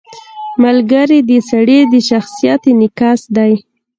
• ملګری د سړي د شخصیت انعکاس دی.